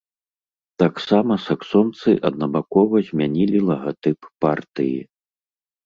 Таксама саксонцы аднабакова змянілі лагатып партыі.